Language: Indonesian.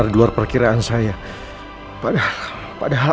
tidak ada kemungkinan untuk kekohokan